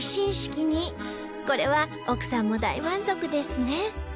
これは奥さんも大満足ですね